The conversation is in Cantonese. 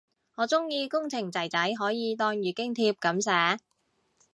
我鍾意工程仔仔可以當月經帖噉寫